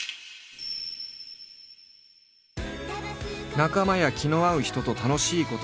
仲間や気の合う人と楽しいことをやる。